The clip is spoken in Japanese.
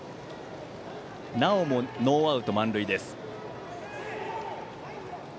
なおもノーアウト満塁です。